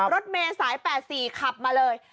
รถเมย์สาย๘๔ขับมาเลย